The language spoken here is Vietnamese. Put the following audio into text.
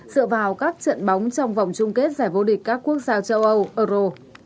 dựa vào các trận bóng trong vòng chung kết giải vô địch các quốc gia châu âu euro